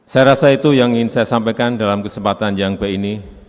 saya rasa itu yang ingin saya sampaikan dalam kesempatan yang baik ini